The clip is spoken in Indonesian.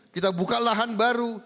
kita buka lahan baru